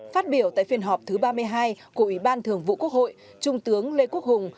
phát biểu tại phiên họp thứ ba mươi hai của ủy ban thường vụ quốc hội trung tướng lê quốc hùng